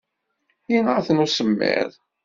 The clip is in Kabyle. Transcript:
Yenɣa-tent usemmiḍ.